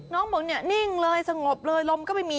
น้องบอกเนี่ยนิ่งเลยสงบเลยลมก็ไม่มี